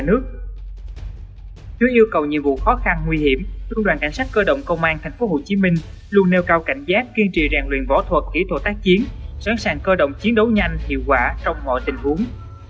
trước yêu cầu nhiệm vụ khó khăn nguy hiểm trung đoàn cảnh sát cơ động công an tp hcm luôn nêu cao cảnh giác kiên trì rèn luyện võ thuật kỹ thuật tác chiến sẵn sàng cơ động chiến đấu nhanh hiệu quả trong mọi tình huống